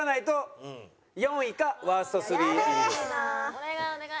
お願いお願い。